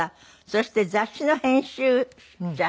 そして雑誌の編集者。